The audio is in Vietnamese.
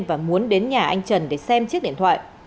và muốn đến nhà anh trần để xem chiếc điện thoại